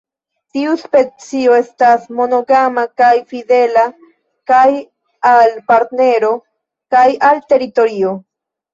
Tiu specio estas monogama kaj fidela kaj al partnero kaj al teritorio.